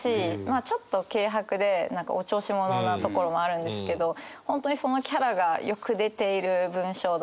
ちょっと軽薄でお調子者なところもあるんですけど本当にそのキャラがよく出ている文章だなと思うんですよ。